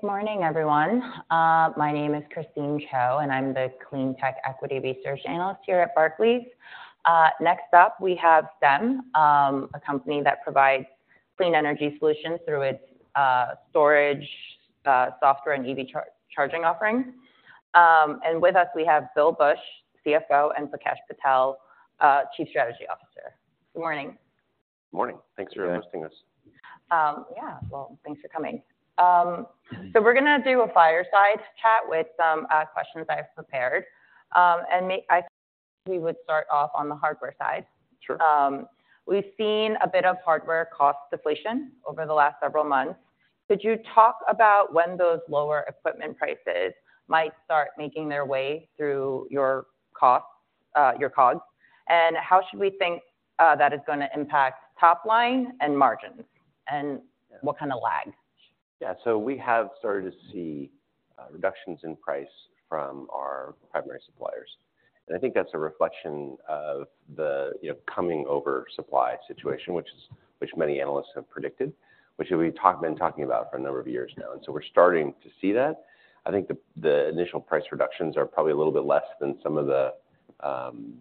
Good morning, everyone. My name is Christine Cho, and I'm the clean tech equity research analyst here at Barclays. Next up, we have Stem, a company that provides clean energy solutions through its storage, software, and EV charging offerings. And with us, we have Bill Bush, CFO, and Prakesh Patel, Chief Strategy Officer. Good morning. Morning. Thanks for hosting us. Yeah. Well, thanks for coming. So we're going to do a fireside chat with some questions I've prepared. I think we would start off on the hardware side. Sure. We've seen a bit of hardware cost deflation over the last several months. Could you talk about when those lower equipment prices might start making their way through your costs, your COGS? And how should we think, that is going to impact top line and margins, and what kind of lag? Yeah. So we have started to see reductions in price from our primary suppliers. And I think that's a reflection of the, you know, coming oversupply situation, which many analysts have predicted, which we've been talking about for a number of years now, and so we're starting to see that. I think the initial price reductions are probably a little bit less than some of the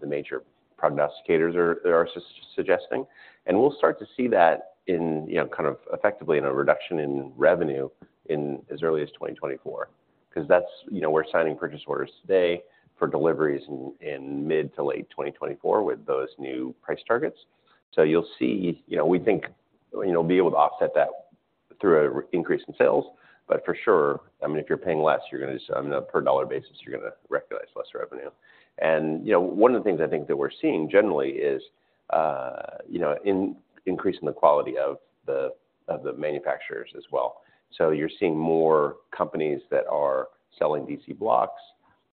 major prognosticators are suggesting, and we'll start to see that in, you know, kind of effectively in a reduction in revenue in as early as 2024. 'Cause that's. You know, we're signing purchase orders today for deliveries in mid to late 2024 with those new price targets. So you'll see. You know, we think we'll be able to offset that through an increase in sales, but for sure, I mean, if you're paying less, you're going to, I mean, on a per dollar basis, you're going to recognize less revenue. And, you know, one of the things I think that we're seeing generally is, you know, increasing the quality of the manufacturers as well. So you're seeing more companies that are selling DC blocks,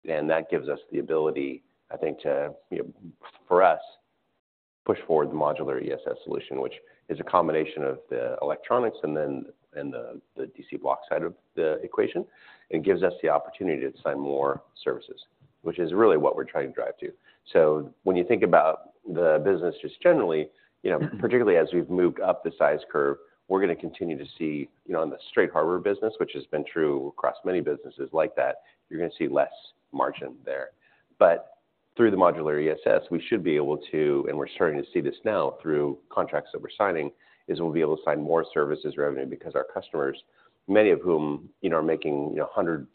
and that gives us the ability, I think, to, you know, for us, push forward the Modular ESS solution, which is a combination of the electronics and then the DC block side of the equation. It gives us the opportunity to sign more services, which is really what we're trying to drive to. So when you think about the business just generally, you know, particularly as we've moved up the size curve, we're going to continue to see, you know, on the straight hardware business, which has been true across many businesses like that, you're going to see less margin there. But through the Modular ESS, we should be able to, and we're starting to see this now through contracts that we're signing, is we'll be able to sign more services revenue because our customers, many of whom, you know, are making, you know, $100+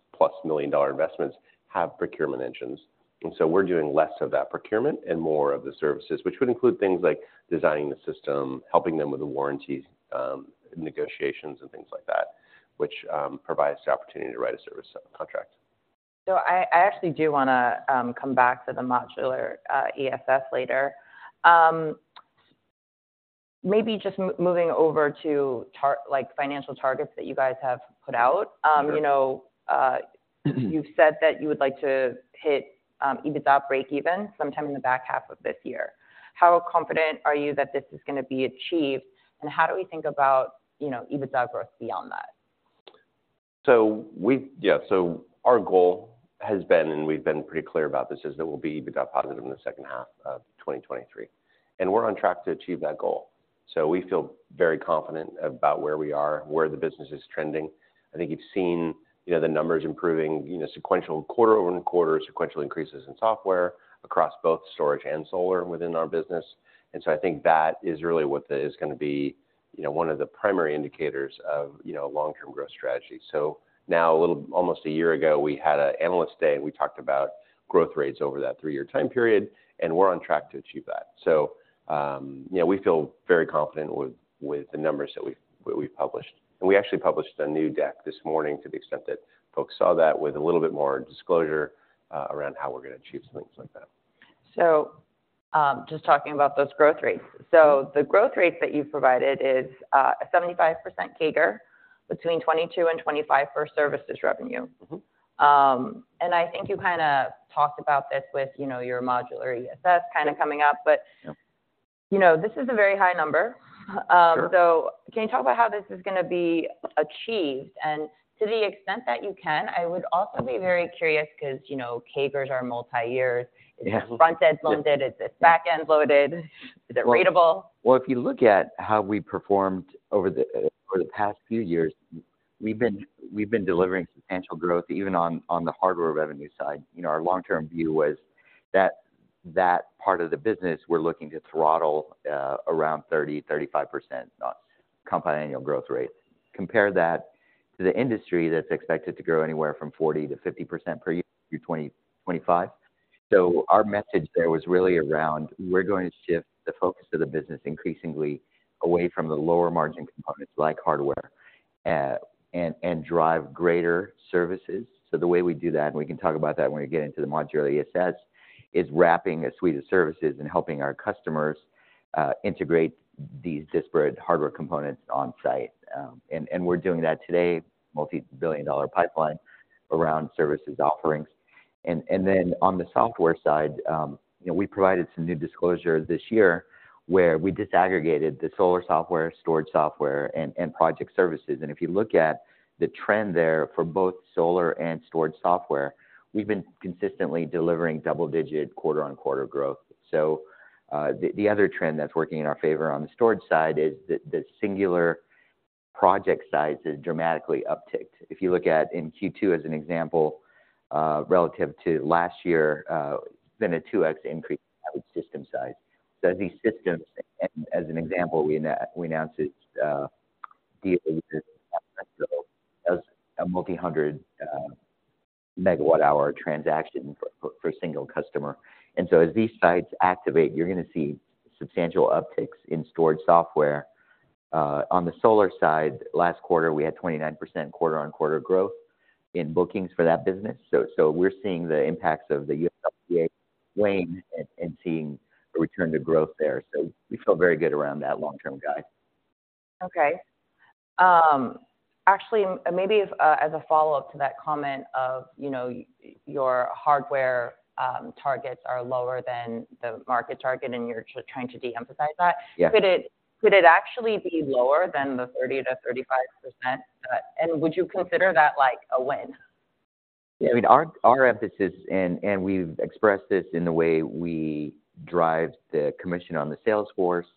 million investments, have procurement engines. And so we're doing less of that procurement and more of the services, which would include things like designing the system, helping them with the warranties, negotiations, and things like that, which provides the opportunity to write a service contract. So I actually do want to come back to the Modular ESS later. Maybe just moving over to targets, like, financial targets that you guys have put out. Sure. You know, you've said that you would like to hit EBITDA breakeven sometime in the back half of this year. How confident are you that this is going to be achieved, and how do we think about, you know, EBITDA growth beyond that? So, yeah, so our goal has been, and we've been pretty clear about this, is that we'll be EBITDA positive in the second half of 2023, and we're on track to achieve that goal. So we feel very confident about where we are, where the business is trending. I think you've seen, you know, the numbers improving, you know, sequential, quarter-over-quarter, sequential increases in software across both storage and solar within our business. And so I think that is really what is going to be, you know, one of the primary indicators of, you know, long-term growth strategy. So now, a little, almost a year ago, we had an analyst day, and we talked about growth rates over that three-year time period, and we're on track to achieve that. So, you know, we feel very confident with the numbers that we've published. We actually published a new deck this morning to the extent that folks saw that with a little bit more disclosure around how we're going to achieve some things like that. So, just talking about those growth rates. So the growth rates that you've provided is a 75% CAGR between 2022 and 2025 for services revenue. Mm-hmm. And I think you kinda talked about this with, you know, your modular ESS kinda coming up, but- Yeah... you know, this is a very high number. Sure. So can you talk about how this is going to be achieved? And to the extent that you can, I would also be very curious, because, you know, CAGRs are multi-year. Yeah. Is it front-end loaded? Is it back-end loaded? Is it ratable? Well, if you look at how we performed over the past few years, we've been delivering substantial growth, even on the hardware revenue side. You know, our long-term view was that part of the business, we're looking to throttle around 30, 35% compound annual growth rate. Compare that to the industry that's expected to grow anywhere from 40%-50% per year through 2025. So our message there was really around, we're going to shift the focus of the business increasingly away from the lower margin components, like hardware, and drive greater services. So the way we do that, and we can talk about that when we get into the Modular ESS, is wrapping a suite of services and helping our customers integrate these disparate hardware components on-site. And, and we're doing that today, multi-billion-dollar pipeline around services offerings. And, and then on the software side, you know, we provided some new disclosure this year, where we disaggregated the solar software, storage software, and, and project services. And if you look at the trend there for both solar and storage software, we've been consistently delivering double-digit quarter-on-quarter growth. So, the other trend that's working in our favor on the storage side is the singular project size is dramatically upticked. If you look at in Q2 as an example, relative to last year, it's been a 2x increase in average system size. So as these systems, and as an example, we announced it deal as a multi-hundred megawatt-hour transaction for, for a single customer. As these sites activate, you're gonna see substantial upticks in storage software. On the solar side, last quarter, we had 29% quarter-on-quarter growth in bookings for that business. So, we're seeing the impacts of the UFLPA wane and seeing a return to growth there. So we feel very good around that long-term guide. Okay. Actually, maybe as a follow-up to that comment of, you know, your hardware targets are lower than the market target, and you're trying to de-emphasize that- Yeah. Could it, could it actually be lower than the 30%-35%? And would you consider that like a win? Yeah, I mean, our emphasis and we've expressed this in the way we drive the commission on the sales force,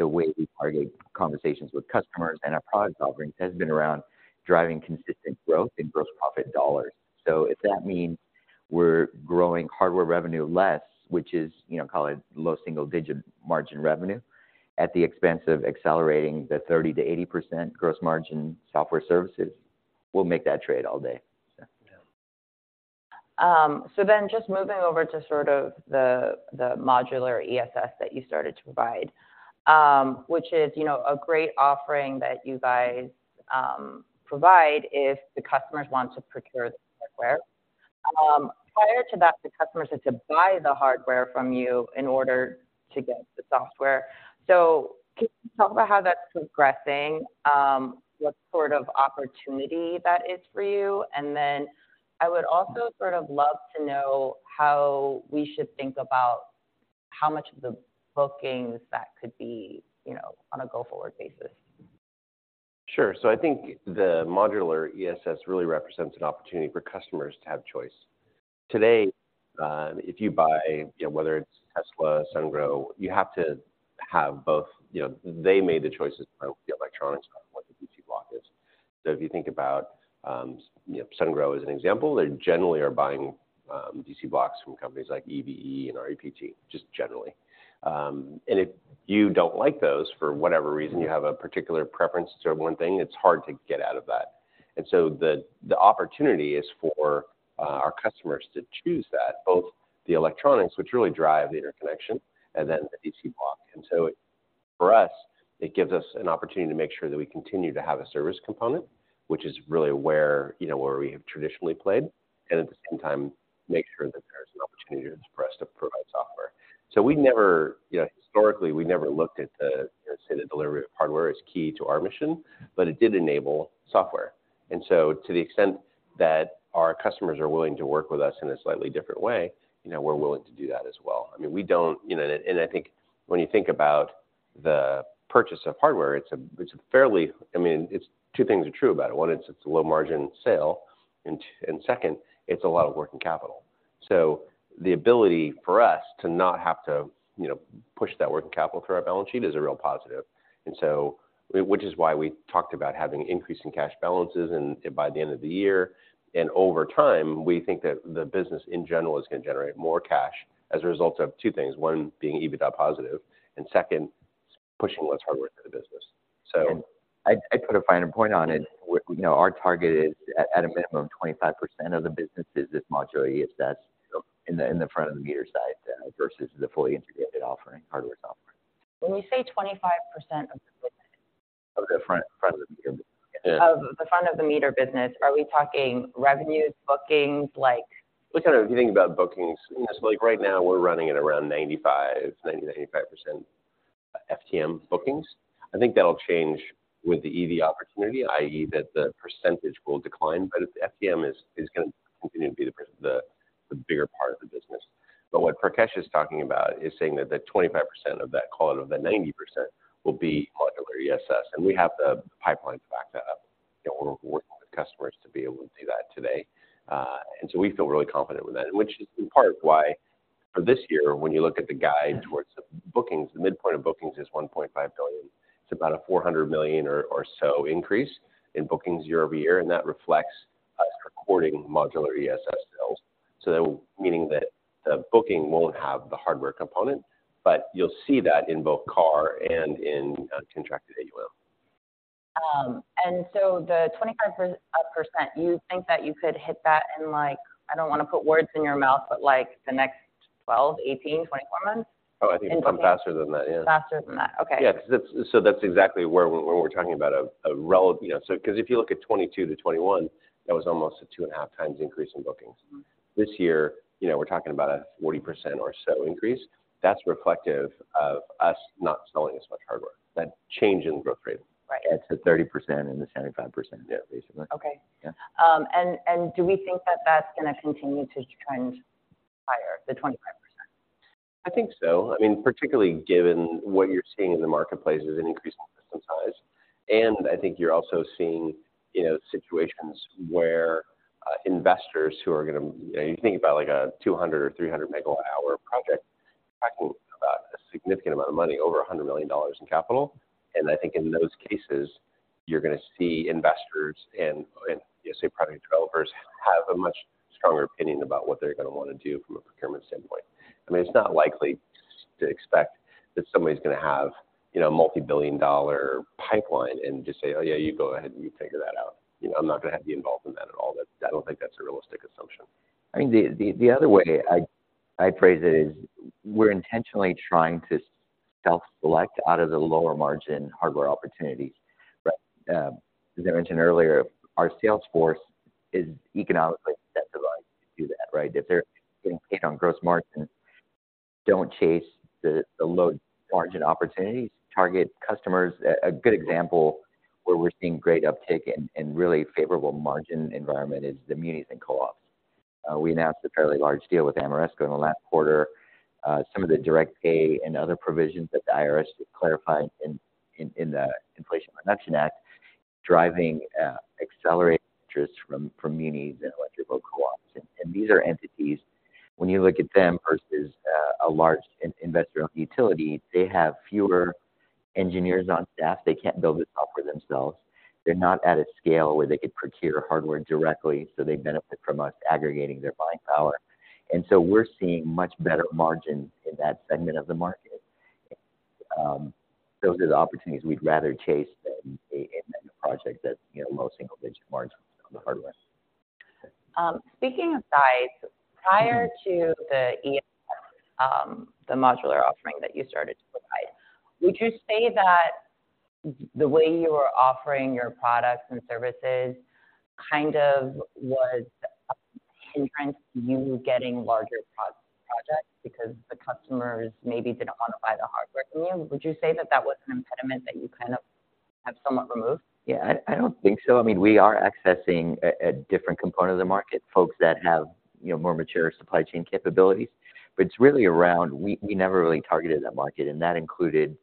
the way we target conversations with customers and our product offerings, has been around driving consistent growth in gross profit dollars. So if that means we're growing hardware revenue less, which is, you know, call it low single-digit margin revenue, at the expense of accelerating the 30%-80% gross margin software services, we'll make that trade all day. So... So then just moving over to sort of the Modular ESS that you started to provide, which is, you know, a great offering that you guys provide if the customers want to procure the software. Prior to that, the customers had to buy the hardware from you in order to get the software. So can you talk about how that's progressing, what sort of opportunity that is for you? And then I would also sort of love to know how we should think about how much of the bookings that could be, you know, on a go-forward basis. Sure. So I think the Modular ESS really represents an opportunity for customers to have choice. Today, if you buy, you know, whether it's Tesla, Sungrow, you have to have both... You know, they made the choices about the electronics, what the DC block is. So if you think about, you know, Sungrow as an example, they generally are buying DC blocks from companies like EVE and REPT, just generally. And if you don't like those for whatever reason, you have a particular preference toward one thing, it's hard to get out of that. And so the opportunity is for our customers to choose that, both the electronics, which really drive the interconnection, and then the DC block. And so for us, it gives us an opportunity to make sure that we continue to have a service component, which is really where, you know, where we have traditionally played, and at the same time, make sure that there's an opportunity for us to provide software. So we never, you know, historically, we never looked at the, you know, say, the delivery of hardware as key to our mission, but it did enable software. And so to the extent that our customers are willing to work with us in a slightly different way, you know, we're willing to do that as well. I mean, we don't, you know. And I think when you think about the purchase of hardware, it's a, it's a fairly... I mean, it's two things are true about it. One, it's, it's a low-margin sale, and, and second, it's a lot of working capital. So the ability for us to not have to, you know, push that working capital through our balance sheet is a real positive. And so, which is why we talked about having increase in cash balances, and by the end of the year, and over time, we think that the business, in general, is going to generate more cash as a result of two things, one being EBITDA positive, and second, pushing less hardware through the business. So- I'd put a finer point on it. You know, our target is at a minimum 25% of the businesses is modular ESS in the front of the meter side versus the fully integrated offering, hardware, software. When you say 25% of the business- Of the front of the meter. Yeah. Of the front of the meter business, are we talking revenues, bookings, like? We kind of... If you think about bookings, yes, like, right now, we're running at around 95, 90%-95% FTM bookings. I think that'll change with the EV opportunity, i.e., that the percentage will decline, but FTM is gonna continue to be the the bigger part of the business. But what Prakesh is talking about is saying that the 25% of that, call it, of the 90% will be modular ESS, and we have the pipeline to back that up. You know, we're working with customers to be able to do that today, and so we feel really confident with that, which is in part why for this year, when you look at the guide towards the bookings, the midpoint of bookings is $1.5 billion. It's about a $400 million or so increase in bookings year-over-year, and that reflects us recording Modular ESS sales. So that—meaning that the booking won't have the hardware component, but you'll see that in both CARR and in contracted AUM. And so the 25%, you think that you could hit that in like, I don't want to put words in your mouth, but like the next 12, 18, 24 months? Oh, I think faster than that, yeah. Faster than that? Okay. Yeah, because that's... So that's exactly where, when we're talking about. You know, so because if you look at 2022 to 2021, that was almost a 2.5x increase in bookings. This year, you know, we're talking about a 40% or so increase. That's reflective of us not selling as much hardware. That change in growth rate. Right. It's the 30% and the 75%- Yeah. -basically. Okay. Yeah. Do we think that that's gonna continue to trend higher, the 25%? I think so. I mean, particularly given what you're seeing in the marketplace is an increase in system size, and I think you're also seeing, you know, situations where investors who are gonna... You know, you think about like a 200- or 300-MWh project... talking about a significant amount of money, over $100 million in capital. And I think in those cases, you're going to see investors and ESA project developers have a much stronger opinion about what they're going to want to do from a procurement standpoint. I mean, it's not likely to expect that somebody's going to have, you know, a multi-billion dollar pipeline and just say, "Oh, yeah, you go ahead and you figure that out. You know, I'm not going to have you involved in that at all." I don't think that's a realistic assumption. I mean, the other way I phrase it is, we're intentionally trying to self-select out of the lower margin hardware opportunities. But, as I mentioned earlier, our sales force is economically incentivized to do that, right? If they're getting paid on gross margin, don't chase the low margin opportunities. Target customers. A good example where we're seeing great uptake and really favorable margin environment is the munis and co-ops. We announced a fairly large deal with Ameresco in the last quarter. Some of the direct pay and other provisions that the IRS is clarifying in the Inflation Reduction Act, driving accelerated interest from munis and electrical co-ops. And these are entities, when you look at them versus a large investor-owned utility, they have fewer engineers on staff. They can't build the software themselves. They're not at a scale where they could procure hardware directly, so they benefit from us aggregating their buying power. And so we're seeing much better margins in that segment of the market. Those are the opportunities we'd rather chase than a, than the project that, you know, low single-digit margins on the hardware. Speaking of size, prior to the ES, the modular offering that you started to provide, would you say that the way you were offering your products and services kind of was a hindrance to you getting larger projects? Because the customers maybe didn't want to buy the hardware from you. Would you say that that was an impediment that you kind of have somewhat removed? Yeah, I don't think so. I mean, we are accessing a different component of the market, folks that have, you know, more mature supply chain capabilities. But it's really around... We never really targeted that market, and that included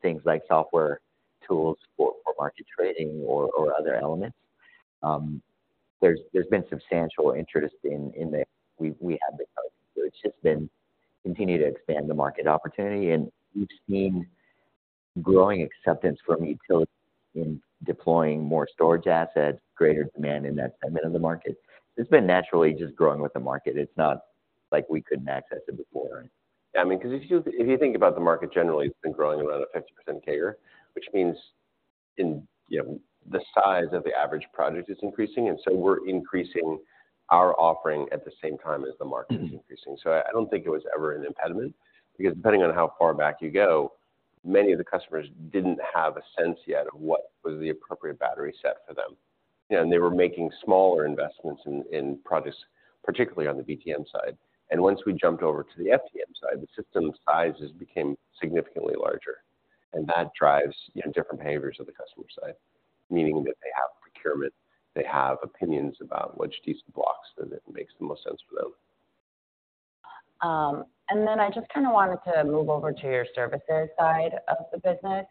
things like software tools for market trading or other elements. There's been substantial interest in the we have been covering. So it's just been continuing to expand the market opportunity, and we've seen growing acceptance from utilities in deploying more storage assets, greater demand in that segment of the market. It's been naturally just growing with the market. It's not like we couldn't access it before. I mean, because if you, if you think about the market generally, it's been growing around a 50% CAGR, which means in, you know, the size of the average project is increasing, and so we're increasing our offering at the same time as the market- Mm-hmm It is increasing. So I don't think it was ever an impediment, because depending on how far back you go, many of the customers didn't have a sense yet of what was the appropriate battery set for them, and they were making smaller investments in projects, particularly on the BTM side. And once we jumped over to the FTM side, the system sizes became significantly larger, and that drives different behaviors on the customer side, meaning that they have procurement, they have opinions about which DC blocks that it makes the most sense for them. And then I just kind of wanted to move over to your services side of the business.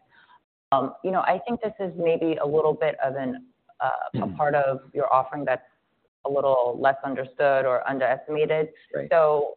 You know, I think this is maybe a little bit of an, Mm-hmm a part of your offering that's a little less understood or underestimated. Right.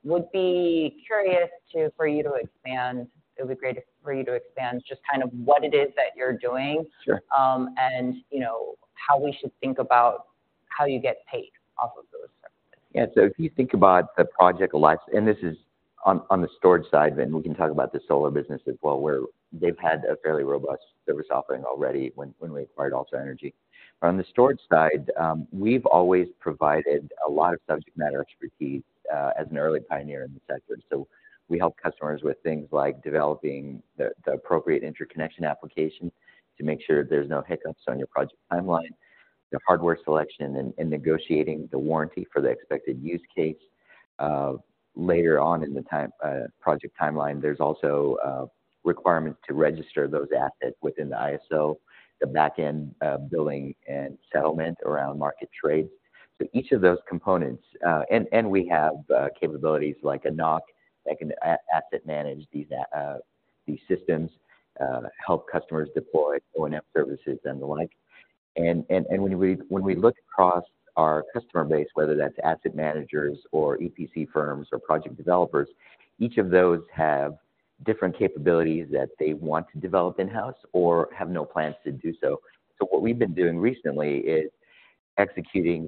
Would be curious for you to expand. It would be great for you to expand just kind of what it is that you're doing. Sure... and, you know, how we should think about how you get paid off of those services. Yeah. So if you think about a project life. This is on the storage side, then we can talk about the solar business as well, where they've had a fairly robust service offering already when we acquired AlsoEnergy. But on the storage side, we've always provided a lot of subject matter expertise as an early pioneer in the sector. So we help customers with things like developing the appropriate interconnection application to make sure there's no hiccups on your project timeline, the hardware selection and negotiating the warranty for the expected use case. Later on in the project timeline, there's also requirements to register those assets within the ISO, the back end billing and settlement around market trades. So each of those components. And we have capabilities like a NOC that can asset manage these systems, help customers deploy O&M services and the like. And when we look across our customer base, whether that's asset managers or EPC firms or project developers, each of those have different capabilities that they want to develop in-house or have no plans to do so. So what we've been doing recently is executing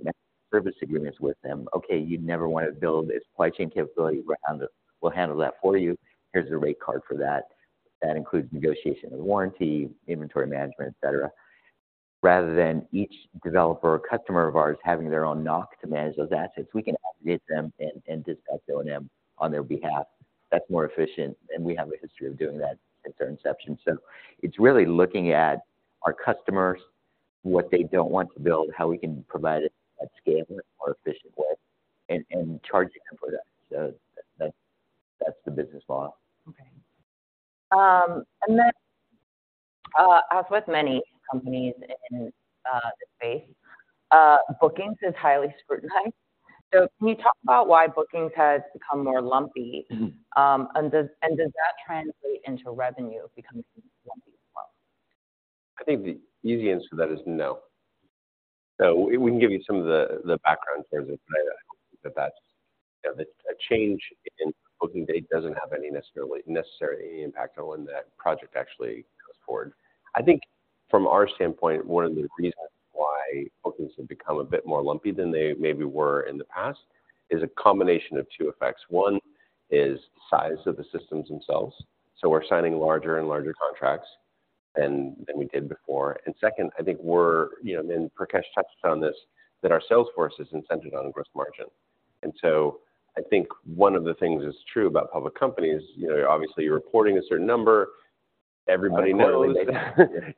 service agreements with them. "Okay, you'd never want to build a supply chain capability around it. We'll handle that for you. Here's the rate card for that." That includes negotiation of warranty, inventory management, et cetera. Rather than each developer or customer of ours having their own NOC to manage those assets, we can aggregate them and discuss O&M on their behalf. That's more efficient, and we have a history of doing that since our inception. So it's really looking at our customers, what they don't want to build, how we can provide it at scale in a more efficient way, and charging them for that. So that's the business model. Okay. And then, as with many companies in the space, bookings is highly scrutinized. So can you talk about why bookings has become more lumpy? Mm-hmm. And does that translate into revenue becoming- I think the easy answer to that is no. So we can give you some of the background in terms of that. But that's, you know, a change in booking date doesn't have any impact on when that project actually goes forward. I think from our standpoint, one of the reasons why bookings have become a bit more lumpy than they maybe were in the past is a combination of two effects. One is size of the systems themselves, so we're signing larger and larger contracts than we did before. And second, I think, you know, and Prakesh touched on this, that our sales force is incented on gross margin. And so I think one of the things that's true about public companies, you know, obviously, you're reporting a certain number. Everybody knows.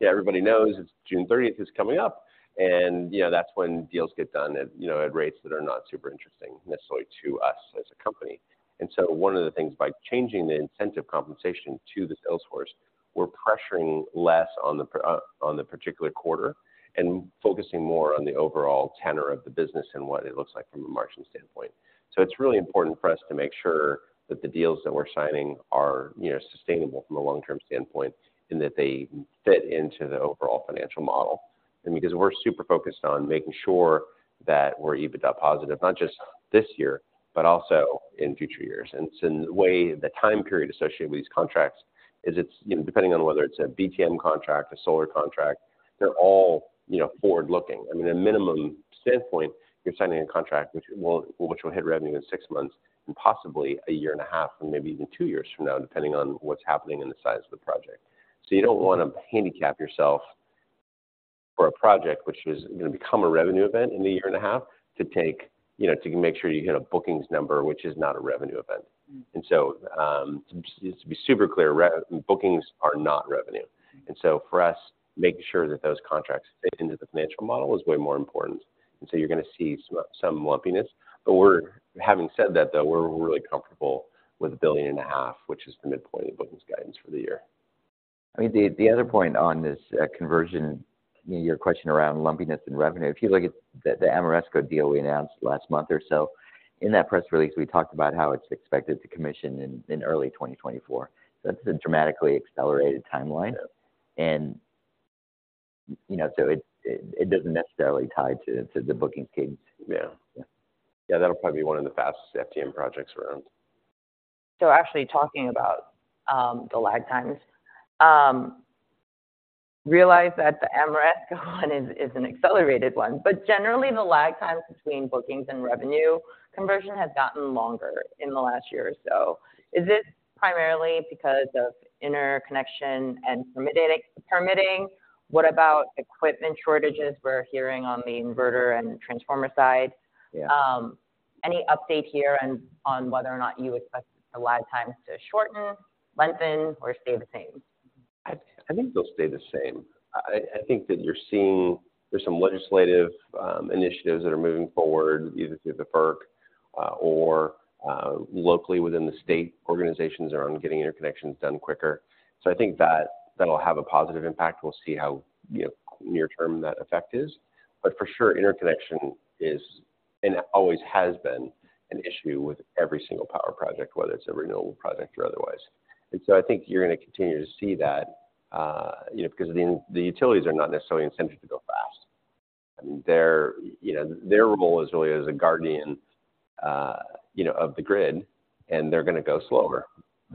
Yeah, everybody knows it's June 30th is coming up, and, you know, that's when deals get done at, you know, at rates that are not super interesting necessarily to us as a company. And so one of the things, by changing the incentive compensation to the sales force, we're pressuring less on the particular quarter and focusing more on the overall tenor of the business and what it looks like from a margin standpoint. So it's really important for us to make sure that the deals that we're signing are, you know, sustainable from a long-term standpoint, and that they fit into the overall financial model. And because we're super focused on making sure that we're EBITDA positive, not just this year, but also in future years. And so the way the time period associated with these contracts is it's... You know, depending on whether it's a BTM contract, a solar contract, they're all, you know, forward-looking. I mean, a minimum standpoint, you're signing a contract which will hit revenue in six months and possibly a year and a half, and maybe even two years from now, depending on what's happening and the size of the project. So you don't wanna handicap yourself for a project which is gonna become a revenue event in a year and a half, to take... You know, to make sure you hit a bookings number, which is not a revenue event. And so, just to be super clear, bookings are not revenue. And so for us, making sure that those contracts fit into the financial model is way more important, and so you're gonna see some lumpiness. Having said that, though, we're really comfortable with $1.5 billion, which is the midpoint of the bookings guidance for the year. I mean, the other point on this, conversion, you know, your question around lumpiness and revenue. If you look at the Ameresco deal we announced last month or so, in that press release, we talked about how it's expected to commission in early 2024. That's a dramatically accelerated timeline. Yeah. You know, so it doesn't necessarily tie to the booking gigs. Yeah. Yeah. Yeah, that'll probably be one of the fastest FTM projects we've owned. Actually talking about the lag times. Realize that the Ameresco one is an accelerated one, but generally, the lag times between bookings and revenue conversion has gotten longer in the last year or so. Is this primarily because of interconnection and permitting? What about equipment shortages we're hearing on the inverter and transformer side? Yeah. Any update here on whether or not you expect the lag times to shorten, lengthen, or stay the same? I think they'll stay the same. I think that you're seeing there's some legislative initiatives that are moving forward, either through the FERC or locally within the state organizations, around getting interconnections done quicker. So I think that that'll have a positive impact. We'll see how, you know, near term that effect is, but for sure, interconnection is, and always has been, an issue with every single power project, whether it's a renewable project or otherwise. And so I think you're gonna continue to see that, you know, because the utilities are not necessarily incented to go fast. I mean, their role is really as a guardian, you know, of the grid, and they're gonna go slower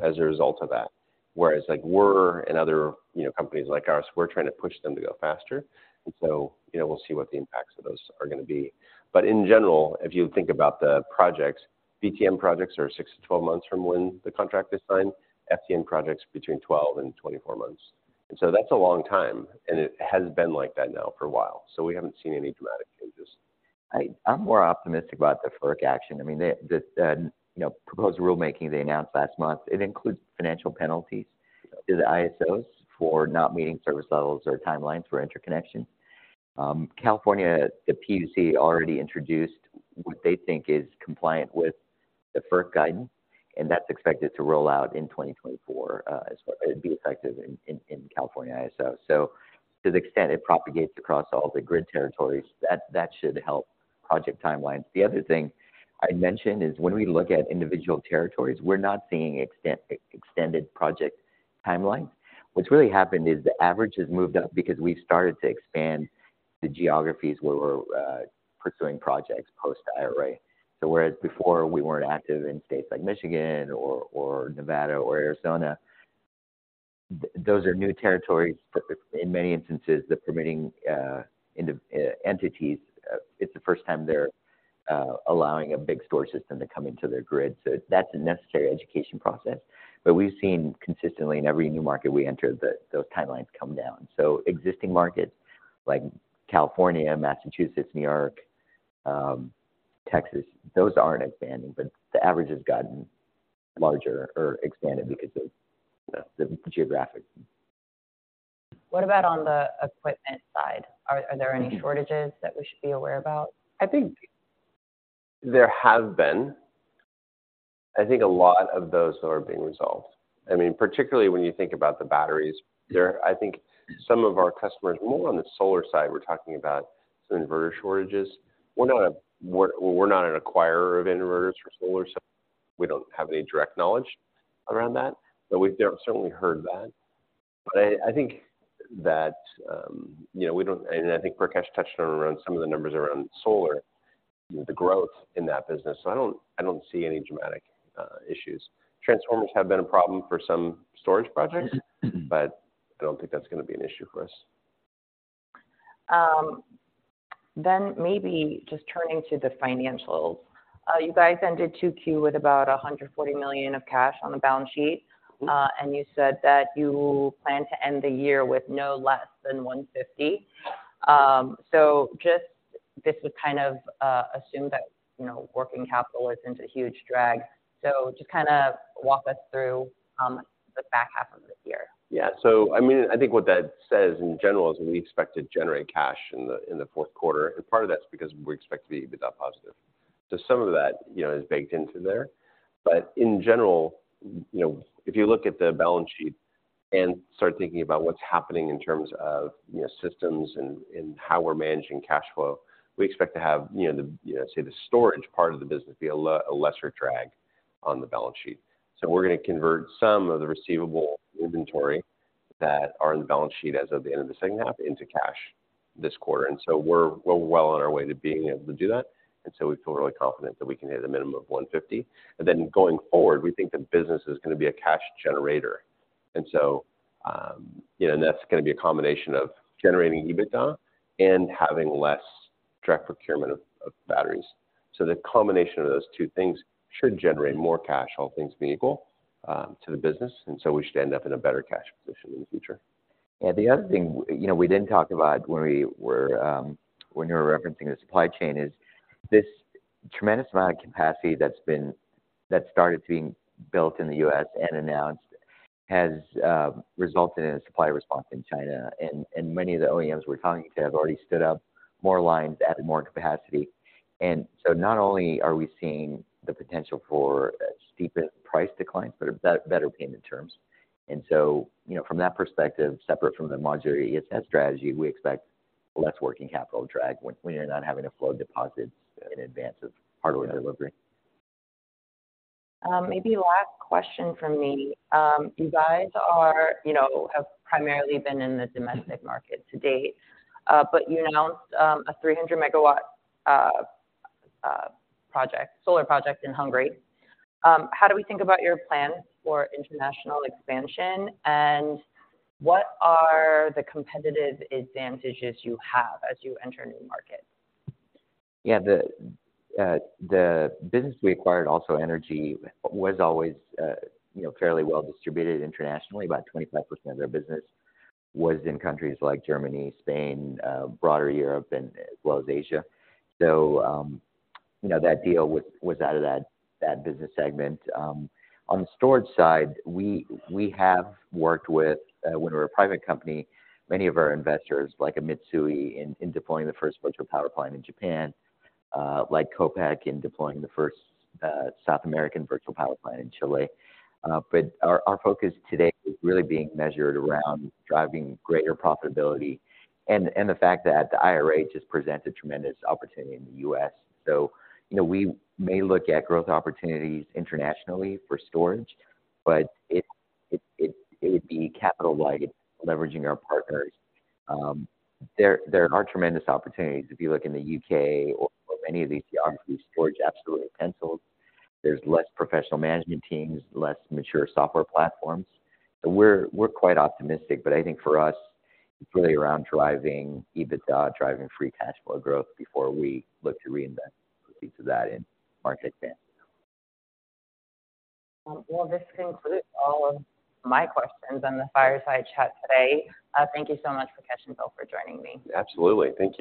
as a result of that. Whereas, like, we're and other, you know, companies like ours, we're trying to push them to go faster, and so, you know, we'll see what the impacts of those are gonna be. But in general, if you think about the projects, BTM projects are 6-12 months from when the contract is signed, FTM projects between 12 and 24 months. And so that's a long time, and it has been like that now for a while, so we haven't seen any dramatic changes. I'm more optimistic about the FERC action. I mean, the you know, proposed rulemaking they announced last month, it includes financial penalties to the ISOs for not meeting service levels or timelines for interconnection. California, the PUC already introduced what they think is compliant with the FERC guidance, and that's expected to roll out in 2024, as well. It'd be effective in California ISO. So to the extent it propagates across all the grid territories, that should help project timelines. The other thing I'd mention is when we look at individual territories, we're not seeing extended project timelines. What's really happened is the average has moved up because we've started to expand the geographies where we're pursuing projects post-IRA. So whereas before we weren't active in states like Michigan or Nevada or Arizona, those are new territories that in many instances, the permitting individual entities, it's the first time they're allowing a big storage system to come into their grid. So that's a necessary education process. But we've seen consistently in every new market we enter, that those timelines come down. So existing markets like California, Massachusetts, New York, Texas, those aren't expanding, but the average has gotten larger or expanded because of the geographic. What about on the equipment side? Are there any shortages that we should be aware about? I think there have been. I think a lot of those though are being resolved. I mean, particularly when you think about the batteries, I think some of our customers, more on the solar side, we're talking about some inverter shortages. We're not an acquirer of inverters for solar, so we don't have any direct knowledge around that, but we've certainly heard that. But I think that, you know, we don't—and I think Prakesh touched on some of the numbers around solar, the growth in that business. So I don't see any dramatic issues. Transformers have been a problem for some storage projects, but I don't think that's gonna be an issue for us. Then maybe just turning to the financials. You guys ended 2Q with about $140 million of cash on the balance sheet, and you said that you plan to end the year with no less than $150. So just this would kind of assume that, you know, working capital isn't a huge drag. Just kinda walk us through the back half of the year. Yeah. So I mean, I think what that says in general is we expect to generate cash in the fourth quarter, and part of that's because we expect to be EBITDA positive. So some of that, you know, is baked into there. But in general, you know, if you look at the balance sheet and start thinking about what's happening in terms of, you know, systems and how we're managing cash flow, we expect to have, you know, the, say, the storage part of the business be a lesser drag on the balance sheet. So we're gonna convert some of the receivable inventory that are on the balance sheet as of the end of the second half into cash this quarter. And so we're well on our way to being able to do that, and so we feel really confident that we can hit a minimum of $150. And then going forward, we think the business is gonna be a cash generator. And so, you know, and that's gonna be a combination of generating EBITDA and having less direct procurement of batteries. So the combination of those two things should generate more cash, all things being equal, to the business, and so we should end up in a better cash position in the future. And the other thing, you know, we didn't talk about when we were, when you were referencing the supply chain, is this tremendous amount of capacity that's been that started being built in the U.S. and announced, has resulted in a supply response in China. And many of the OEMs we're talking to have already stood up more lines, added more capacity. And so not only are we seeing the potential for a steeper price declines, but better payment terms. And so, you know, from that perspective, separate from the Modular ESS strategy, we expect less working capital drag when you're not having to flow deposits in advance of hardware delivery. Maybe last question from me. You guys are, you know, have primarily been in the domestic market to date, but you announced a 300 MW project, solar project in Hungary. How do we think about your plan for international expansion, and what are the competitive advantages you have as you enter a new market? Yeah, the business we acquired, AlsoEnergy, was always, you know, fairly well distributed internationally. About 25% of their business was in countries like Germany, Spain, broader Europe, and as well as Asia. So, you know, that deal was out of that business segment. On the storage side, we have worked with, when we were a private company, many of our investors, like a Mitsui, in deploying the first virtual power plant in Japan, like Copec in deploying the first South American virtual power plant in Chile. But our focus today is really being measured around driving greater profitability and the fact that the IRA just presents a tremendous opportunity in the US. So, you know, we may look at growth opportunities internationally for storage, but it would be capital light, leveraging our partners. There are tremendous opportunities. If you look in the UK or many of these geographies, storage absolutely pencils. There's less professional management teams, less mature software platforms, so we're quite optimistic. But I think for us, it's really around driving EBITDA, driving free cash flow growth before we look to reinvest proceeds of that in market expansion. Well, this concludes all of my questions on the fireside chat today. Thank you so much, Prakesh and Bill, for joining me. Absolutely. Thank you.